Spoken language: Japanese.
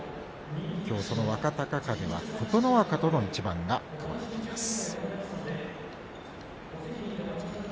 きょうその若隆景は琴ノ若との一番が組まれています。